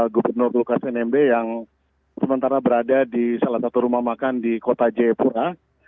gubernur lukas nmb yang sementara berada di salah satu rumah makan di kota jayapura